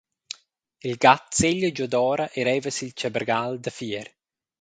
Il gat seglia giuadora e reiva sil tschabergal da fier.